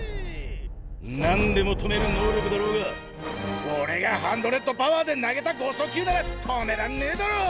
何でも止める能力だろうが俺がハンドレッドパワーで投げた剛速球なら止めらんねえだろ！